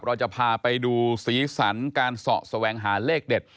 เราจะพาไปดูศรีสรรค์การสอสแวงหาเลขเด็ด